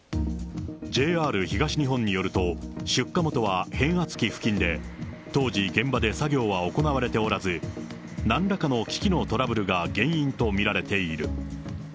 ＪＲ東日本によると出火元は変圧器付近で、当時、現場で作業は行われておらず、なんらかの機器のトラブルが原因と見られている。